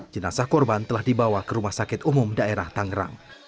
jenazah korban telah dibawa ke rumah sakit umum daerah tangerang